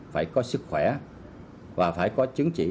phải có sức khỏe và phải có chứng chỉ